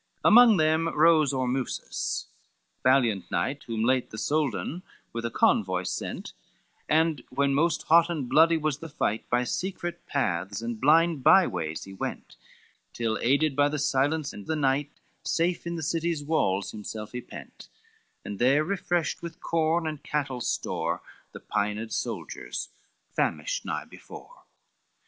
LV Among them rose Ormusses' valiant knight, Whom late the Soldan with a convoy sent, And when most hot and bloody was the fight, By secret paths and blind byways he went, Till aided by the silence and the night Safe in the city's walls himself he pent, And there refreshed with corn and cattle store The pined soldiers famished nigh before.